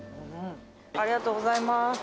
ありがとうございます。